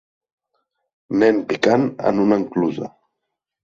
Nen picant en una enclusa.